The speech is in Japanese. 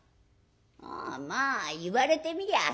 「ああまあ言われてみりゃあそうだな。